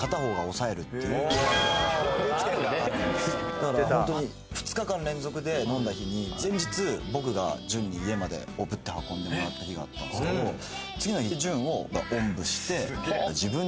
「だからホントに２日間連続で飲んだ日に前日僕が潤に家までおぶって運んでもらった日があったんですけど次の日潤をおんぶして」